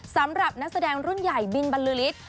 สำหรับนักแสดงรุ่นใหญ่บินบรรลือฤทธิ์